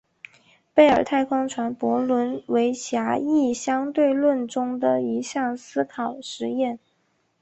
贝尔太空船悖论为狭义相对论中的一项思考实验。